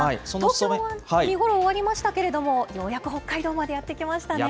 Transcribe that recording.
東京は見頃終わりましたけれども、ようやく北海道にまでやって来ましたね。